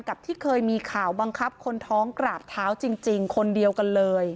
ที่เคยมีข่าวบังคับคนท้องกราบเท้าจริงคนเดียวกันเลย